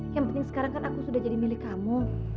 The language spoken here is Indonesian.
yang penting sekarang kan aku sudah jadi milik kamu